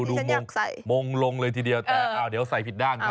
ดูมงใส่มงลงเลยทีเดียวแต่เดี๋ยวใส่ผิดด้านครับ